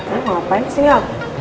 lu ngapain sih ini aku